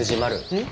うん？